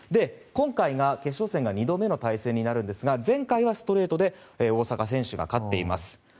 今回の決勝が２度目の対戦になるんですが前回はストレートで大坂選手が勝っています。